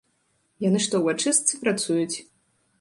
Яны што, у ачыстцы працуюць?